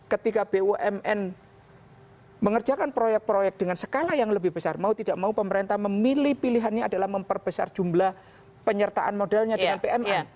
ketika bumn mengerjakan proyek proyek dengan skala yang lebih besar mau tidak mau pemerintah memilih pilihannya adalah memperbesar jumlah penyertaan modalnya dengan pmn